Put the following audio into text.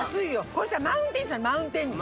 これさマウンテンさマウンテンに。